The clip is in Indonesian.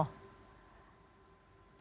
ini masalah keuangan dr tono